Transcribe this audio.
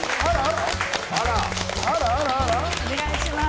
お願いします。